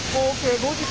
５時間半！